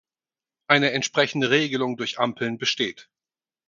Eine entsprechende Regelung durch Ampeln besteht.